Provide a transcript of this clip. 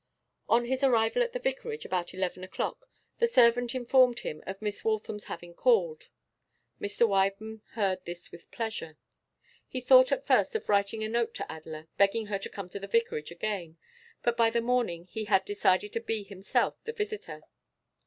On his arrival at the Vicarage about eleven o'clock the servant informed him of Miss Waltham's having called. Mr. Wyvern heard this with pleasure. He thought at first of writing a note to Adela, begging her to come to the Vicarage again, but by the morning he had decided to be himself the visitor.